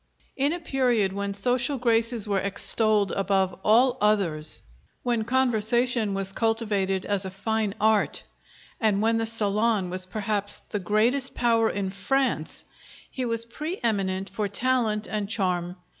In a period when social graces were extolled above all others, when conversation was cultivated as a fine art, and when the salon was perhaps the greatest power in France, he was pre eminent for talent and charm.